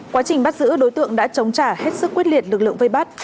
quá trình bắt giữ đối tượng đã chống trả hết sức quyết liệt lực lượng vây bắt